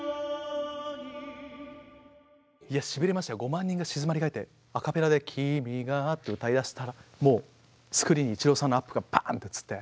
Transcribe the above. ５万人が静まりかえってアカペラで「君が」って歌い出したらもうスクリーンにイチローさんのアップがパーンって映って。